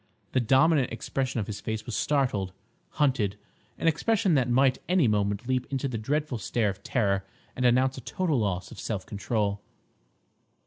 The dominant expression of his face was startled—hunted; an expression that might any moment leap into the dreadful stare of terror and announce a total loss of self control.